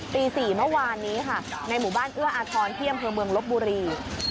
ตี๔เมื่อวานนี้ค่ะในหมู่บ้านเอื้ออาทรที่อำเภอเมืองลบบุรี